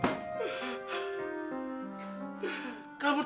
tak tunggu kamu ini